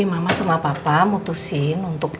makasih pak buat